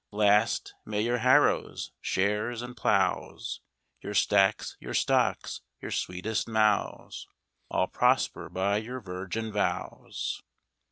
Last, may your harrows, shares, and ploughs, Your stacks, your stocks, your sweetest mows, All prosper by your virgin vows.